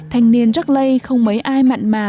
thành niên rắc lây không mấy ai mặn mà